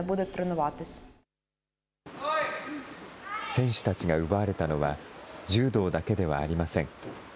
選手たちが奪われたのは、柔道だけではありません。